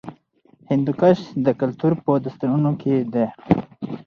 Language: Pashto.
هندوکش د کلتور په داستانونو کې دی.